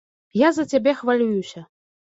Я за цябе хвалююся.